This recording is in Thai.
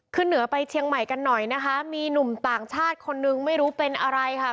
เหนือไปเชียงใหม่กันหน่อยนะคะมีหนุ่มต่างชาติคนนึงไม่รู้เป็นอะไรค่ะ